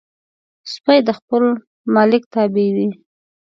سپي د خپل مالک تابع وي.